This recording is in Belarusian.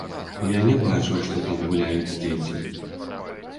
Я не бачыў, што там гуляюць дзеці.